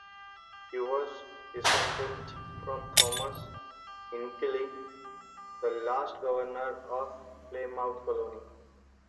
She was descended from Thomas Hinckley, the last governor of Plymouth Colony.